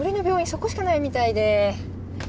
そこしかないみたいで。